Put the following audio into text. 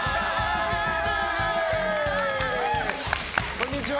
こんにちは！